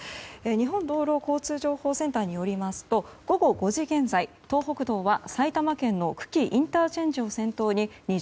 日本道路交通情報センターによりますと午後５時現在、東北道は埼玉県の久喜ＩＣを先頭に２０ｋｍ。